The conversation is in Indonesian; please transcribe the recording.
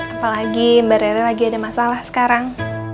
apalagi mbak rera lagi ada masalah sekarang